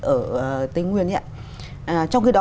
ở tây nguyên trong khi đó